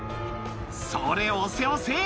それ、押せ、押せ！